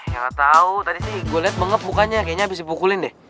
ya gak tahu tadi sih gue liat mengep mukanya kayaknya habis dipukulin deh